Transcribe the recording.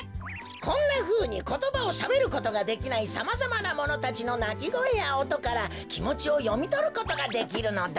こんなふうにことばをしゃべることができないさまざまなものたちのなきごえやおとからきもちをよみとることができるのだ。